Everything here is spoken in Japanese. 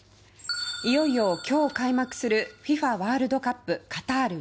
いよいよ今日開幕するＦＩＦＡワールドカップカタール２０２２。